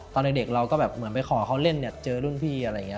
ตอนเด็กเราก็แบบเหมือนไปขอเขาเล่นเนี่ยเจอรุ่นพี่อะไรอย่างนี้